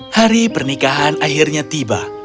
hari pernikahan akhirnya tiba